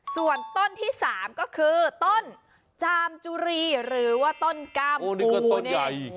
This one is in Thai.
ส่วนต้นที่๓ก็คือต้นจามจุรีหรือว่าต้นกามปูเนี่ยโอ้นี่ก็ต้นใหญ่